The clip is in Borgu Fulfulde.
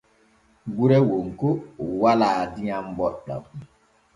Gure Wonko walaa diyam booɗam.